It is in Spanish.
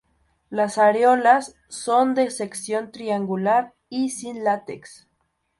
Las areolas son de sección triangular y sin látex.